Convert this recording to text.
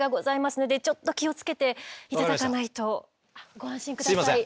ご安心下さい。